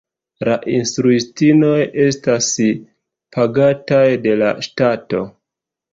La instruistinoj estas pagataj de la ŝtato.